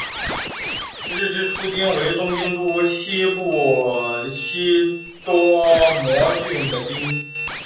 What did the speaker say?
日之出町为东京都西部西多摩郡的町。